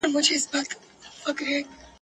یاران به ناڅي نغمې به پاڅي !.